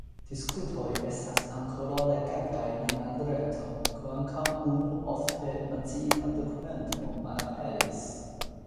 Diskutoj estas ankoraŭ legeblaj en la reto kvankam unu ofte menciita dokumento malaperis.